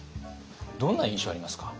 どんな印象ありますか？